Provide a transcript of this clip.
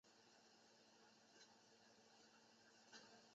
抗日战争结束后回到上海。